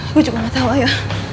gue juga gak tau ayo